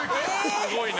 すごいな。